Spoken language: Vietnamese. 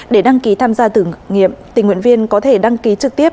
để đăng ký tham gia thử nghiệm tình nguyện viên có thể đăng ký trực tiếp